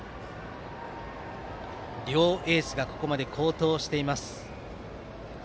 両エースがここまで好投しています。